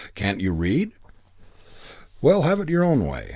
Can't you read?... "Well, have it your own way.